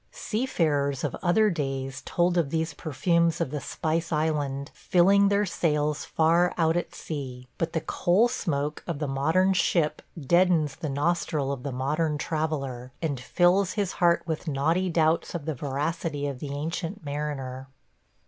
Seafarers of other days told of these perfumes of the Spice Island filling their sails far out at sea, but the coal smoke of the modern ship deadens the nostril of the modern traveller, and fills his heart with naughty doubts of the veracity of the Ancient Mariner.